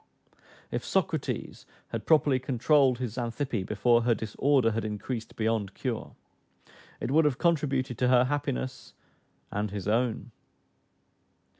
If Socrates had properly controlled his Xantippe before her disorder had increased beyond cure, it would have contributed to her happiness and his own.